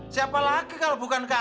siapa lagi kalau bukan